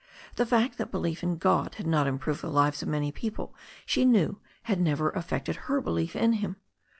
The fact that belief in God had not im proved the lives of many people she knew had never af fected her belief in Him.